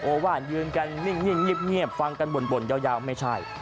ว่านยืนกันนิ่งเงียบฟังกันบ่นยาวไม่ใช่